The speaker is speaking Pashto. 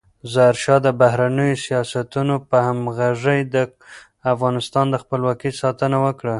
ظاهرشاه د بهرنیو سیاستونو په همغږۍ د افغانستان د خپلواکۍ ساتنه وکړه.